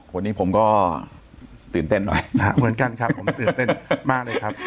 วันนี้ผมก็ตื่นเต้นหน่อยนะฮะเหมือนกันครับผมตื่นเต้นมากเลยครับ